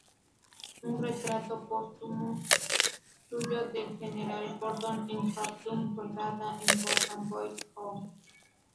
Un retrato póstumo suyo del general Gordon en Jartum colgaba en Gordon Boy's Home.